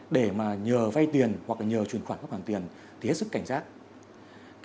để mà nhờ vay tiền hoặc nhờ truyền khoản góp hàng tiền thì hết sức cảnh giác